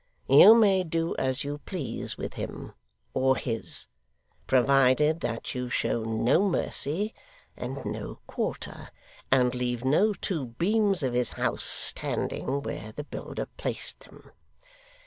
You may do as you please with him, or his, provided that you show no mercy, and no quarter, and leave no two beams of his house standing where the builder placed them.